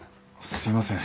すいません。